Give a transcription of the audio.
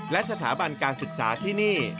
และสถาบันการศึกษาที่นี่